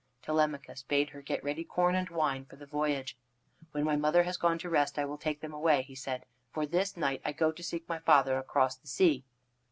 Telemachus bade her get ready corn and wine for the voyage. "When my mother has gone to rest I will take them away," he said, "for this night I go to seek my father across the sea."